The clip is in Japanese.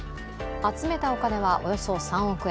集めたお金はおよそ３億円。